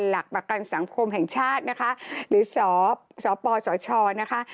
หลักประกันสังคมแห่งชาตินะคะหรือสสปสชนะคะ